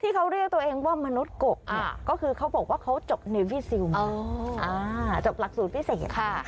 ที่เขาเรียกตัวเองว่ามนุษย์กบก็คือเขาบอกว่าเขาจบในวิซิลมาจบหลักสูตรพิเศษค่ะ